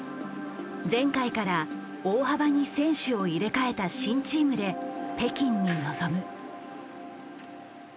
前回から大幅に選手を入れ替えた新チームで北京に臨む。